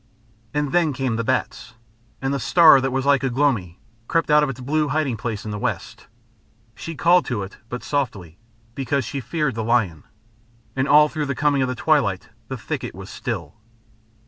And then came the bats, and the star that was like Ugh lomi crept out of its blue hiding place in the west. She called to it, but softly, because she feared the lion. And all through the coming of the twilight the thicket was still.